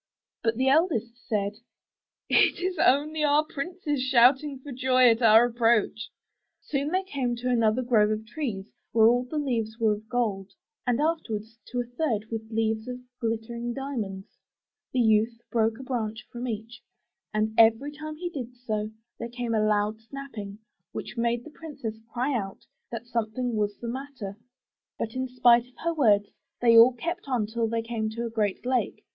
'* But the eldest said, *Tt is only our princes shouting for joy at our approach.'' Soon they came to another grove of trees where all the leaves were of gold, and afterward, to a third with leaves of glittering diamonds. The youth broke a branch from each; and every time he did so, there came a loud snapping, which made the youngest princess cry out that something was MY BOOK HOUSE the matter. But in spite of her words, they all kept on till they came to a great lake.